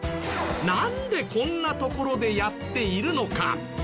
なんでこんな所でやっているのか？